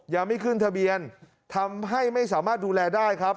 ยังไม่ขึ้นทะเบียนทำให้ไม่สามารถดูแลได้ครับ